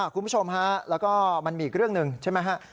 คุณผู้ชมฮะแล้วก็มันมีอีกเรื่องหนึ่งใช่ไหมฮะ